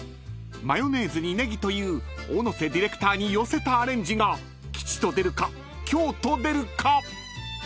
［マヨネーズにネギという小野瀬ディレクターに寄せたアレンジが吉と出るか凶と出るか］